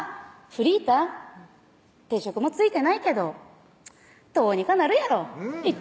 フリーター定職も就いてないけどどうにかなるやろいっ